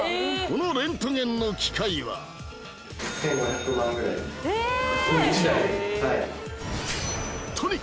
このレントゲンの機械はこれ１台で？